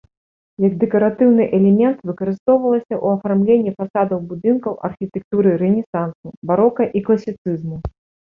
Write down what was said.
Як дэкаратыўны элемент выкарыстоўвалася ў афармленні фасадаў будынкаў архітэктуры рэнесансу, барока і класіцызму.